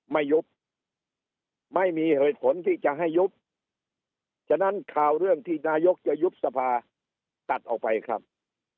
ไม่ยุบไม่มีเหตุผลที่จะให้ยุบฉะนั้นข่าวเรื่องที่นายกจะยุบสภาตัดออกไปครับ